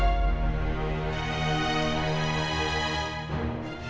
ternyata anaknya kak nailah